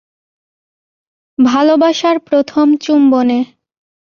ভালবাসার প্রথম চুম্বনে।